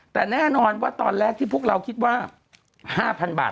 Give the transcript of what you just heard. แต่แน่นอนว่าตอนแรกที่พวกเราคิดว่า๕๐๐๐บาท